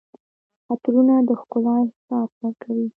عطرونه د ښکلا احساس ورکوي.